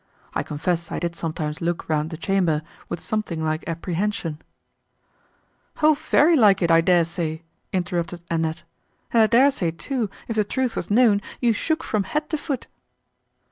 I confess I did sometimes look round the chamber, with something like apprehension—" "O very like it, I dare say," interrupted Annette, "and I dare say too, if the truth was known, you shook from head to foot."